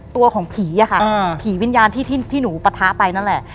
ตัวของผีอะค่ะผีวิญญาณที่หนูปะทะไปนั่นแหละ